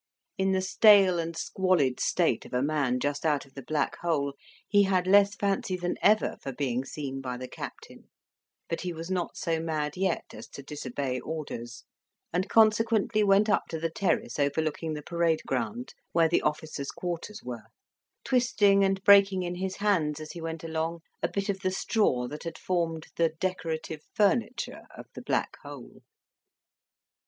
In the stale and squalid state of a man just out of the Black hole, he had less fancy than ever for being seen by the captain; but he was not so mad yet as to disobey orders, and consequently went up to the terrace overlooking the parade ground, where the officers' quarters were; twisting and breaking in his hands, as he went along, a bit of the straw that had formed the decorative furniture of the Black hole.